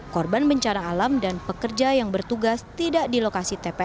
korban bencara alam dan pekerja yang bertugas tidak dilokasi terhadap pemilih